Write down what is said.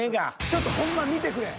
ちょっとほんま見てくれ。